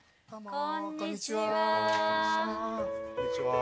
こんにちは。